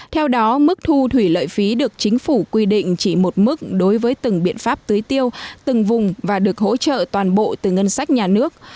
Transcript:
theo đó mức thu thủy lợi phí được chính phủ quy định chỉ một mức đối với từng biện pháp tưới tiêu từng vùng và được hỗ trợ toàn bộ từ ngân sách nhà nước